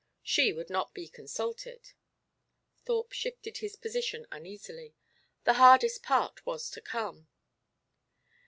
"She would not be consulted." Thorpe shifted his position uneasily. The hardest part was to come.